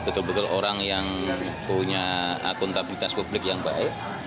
betul betul orang yang punya akuntabilitas publik yang baik